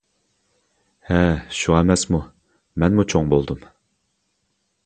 -ھە. شۇ ئەمەسمۇ؟ مەنمۇ چوڭ بولدۇم.